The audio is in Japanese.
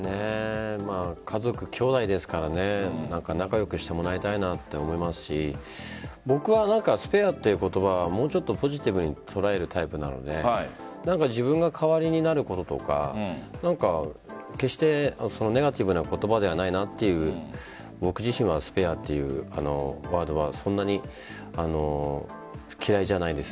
家族、兄弟ですからね仲良くしてもらいたいなと思いますし僕はスペアっていう言葉もうちょっとポジティブに捉えるタイプなので自分が代わりになることとか決してネガティブな言葉ではないなという僕自身は、スペアというワードはそんなに嫌いじゃないです。